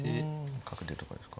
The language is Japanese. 角出とかですか？